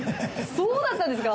そうだったんですか？